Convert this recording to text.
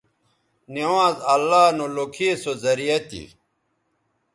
نوانز اللہ نو لوکھے سو زریعہ تھی